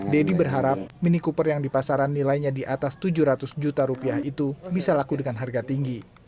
deddy berharap mini cooper yang di pasaran nilainya di atas tujuh ratus juta rupiah itu bisa laku dengan harga tinggi